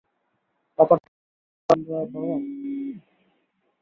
পাপা Drac, ঐটা কি আমার বাবা?